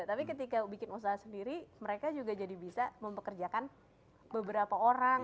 tapi ketika bikin usaha sendiri mereka juga jadi bisa mempekerjakan beberapa orang